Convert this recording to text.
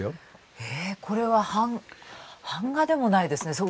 これは版画でもないですね。